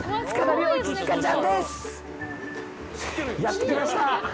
やってきました！